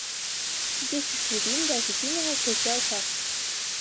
Дзесяць хвілін да афіцыйнага адкрыцця ўчастка.